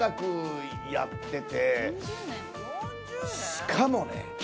しかもね。